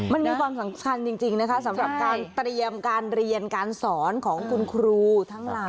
มันมีความสำคัญจริงนะคะสำหรับการเตรียมการเรียนการสอนของคุณครูทั้งหลาย